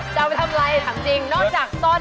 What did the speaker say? แบบนี้ได้ด้วย